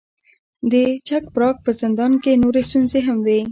د چک پراګ په زندان کې نورې ستونزې هم وې.